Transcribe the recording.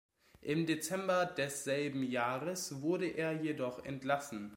Im Dezember desselben Jahres wurde er jedoch entlassen.